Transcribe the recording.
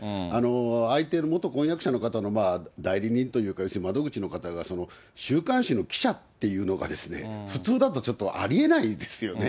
相手の元婚約者の方の代理人というか、要するに窓口の方が、週刊誌の記者っていうのが、普通だとちょっとありえないですよね。